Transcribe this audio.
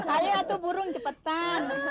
ayo atu burung cepetan